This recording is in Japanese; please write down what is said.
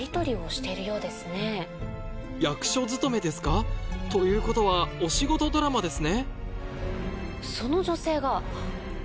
役所勤めですか？ということはお仕事ドラマですね